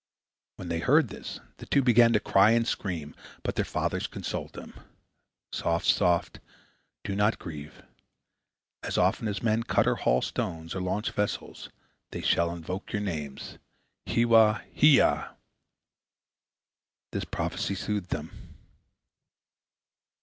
When they heard this, the two began to cry and scream, but their father consoled them: "Soft, soft! Do not grieve. As often as men cut or haul stones, or launch vessels, they shall invoke your names, Hiwwa! Hiyya!" This prophecy soothed them.